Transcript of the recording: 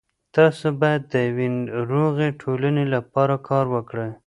تاسو باید د یوې روغې ټولنې لپاره کار وکړئ.